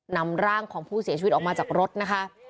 นำร่างของผู้เสียชีวิตออกมาจากรถนะคะ